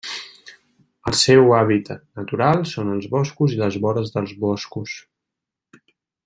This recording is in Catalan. El seu hàbitat natural són els boscos i les vores dels boscos.